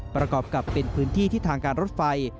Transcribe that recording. ประกอบกับเป็นพื้นที่ที่ทางการรถไฟ